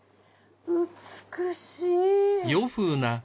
美しい。